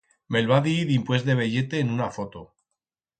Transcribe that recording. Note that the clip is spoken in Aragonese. Me'l va dir dimpués de veyer-te en una foto.